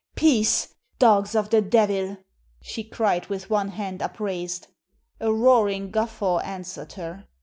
"Peace, dogs of the devil!" she cried with one hand upraised. A roaring guffaw answered her.